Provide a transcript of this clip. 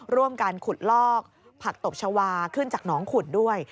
ร่วมกันขุดลอกผักตบชาวาขึ้นจากหนองขุดด้วย